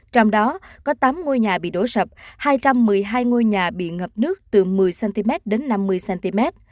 trong đó có tám ngôi nhà bị đổ sập hai trăm một mươi hai ngôi nhà bị ngập nước từ một mươi cm